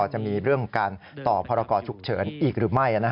จะมีเรื่องการต่อพรกรฉุกเฉินอีกหรือไม่